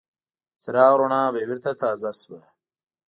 د څراغ رڼا به بېرته تازه شوه.